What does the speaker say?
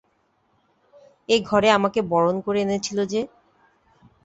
এ ঘরে আমাকে বরণ করে এনেছিল যে!